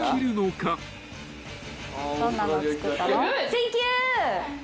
サンキュー。